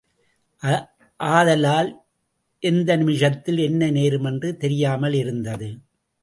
ஆதலால் எந்த நிமிஷத்தில் என்ன நேருமென்று தெரியாமலிருந்தது.